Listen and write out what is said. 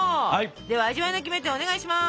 では味わいのキメテをお願いします。